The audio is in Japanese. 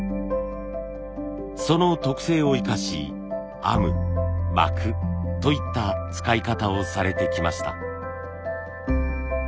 その特性を生かし「編む」「巻く」といった使い方をされてきました。